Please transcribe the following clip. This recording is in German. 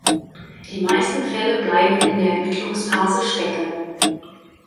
Die meisten Fälle bleiben in der Ermittlungsphase stecken.